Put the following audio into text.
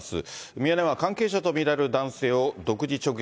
ミヤネ屋は関係者と見られる男性を独自直撃。